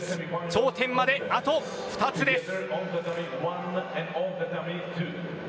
頂点まであと２つです。